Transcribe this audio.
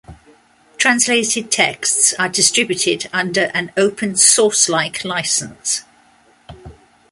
Translated texts are distributed under an open source-like licence.